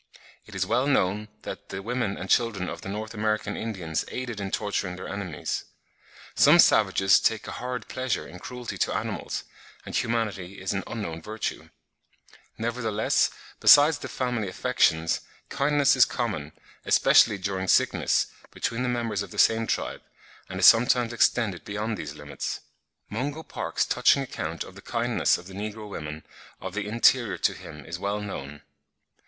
It is well known that the women and children of the North American Indians aided in torturing their enemies. Some savages take a horrid pleasure in cruelty to animals (35. See, for instance, Mr. Hamilton's account of the Kaffirs, 'Anthropological Review,' 1870, p. xv.), and humanity is an unknown virtue. Nevertheless, besides the family affections, kindness is common, especially during sickness, between the members of the same tribe, and is sometimes extended beyond these limits. Mungo Park's touching account of the kindness of the negro women of the interior to him is well known.